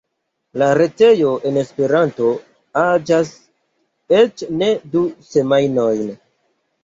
La retejo en Esperanto aĝas eĉ ne du semajnojn!